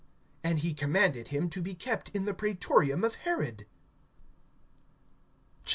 And he commanded him to be kept in the praetorium of Herod. XXIV.